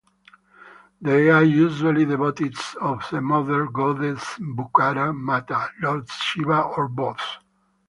They are usually devotees of the mother goddess Bahuchara Mata, Lord Shiva, or both.